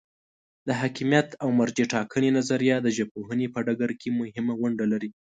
د حاکمیت او مرجع ټاکنې نظریه د ژبپوهنې په ډګر کې مهمه ونډه لري.